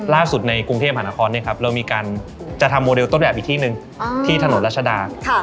ในกรุงเทพหานครเรามีการจะทำโมเดลต้นแบบอีกที่หนึ่งที่ถนนรัชดา